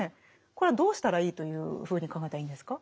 これはどうしたらいいというふうに考えたらいいんですか？